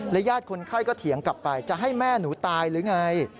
ญาติคนไข้ก็เถียงกลับไปจะให้แม่หนูตายหรือไง